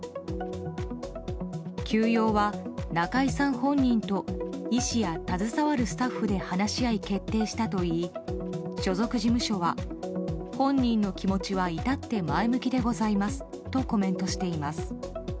休養は中居さん本人と医師や携わるスタッフで話し合い決定したといい所属事務所は本人の気持ちは至って前向きでございますとコメントしています。